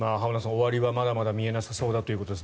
終わりはまだまだ見えなさそうだということです。